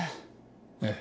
ええ。